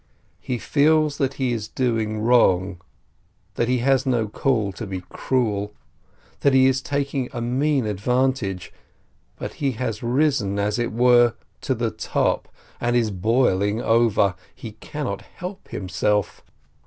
He feels that he is doing wrong, that he has no call to be cruel, that he is taking a mean advantage, but he has risen, as it were, to the top, and is boiling over. He cannot help himself.